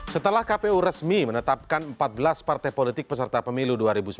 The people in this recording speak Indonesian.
setelah kpu resmi menetapkan empat belas partai politik peserta pemilu dua ribu sembilan belas